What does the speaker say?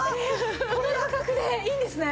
この価格でいいんですね？